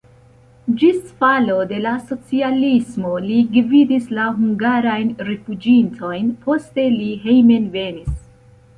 Ĝis falo de la socialismo li gvidis la hungarajn rifuĝintojn, poste li hejmenvenis.